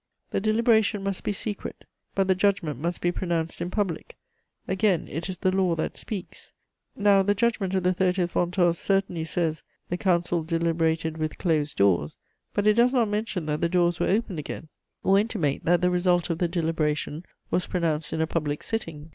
"The deliberation must be secret, but the judgment must be pronounced in public: again, it is the law that speaks. Now the judgment of the 30 Ventôse certainly says, 'The council deliberated with closed doors;' but it does not mention that the doors were opened again, or intimate that the result of the deliberation was pronounced in a public sitting.